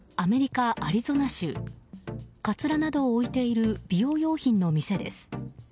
かつらなどを置いている美容用品の店です。